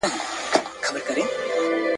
که هر څومره لږه ونډه ور رسیږي !.